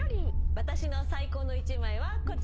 私の最高の１枚はこちらです。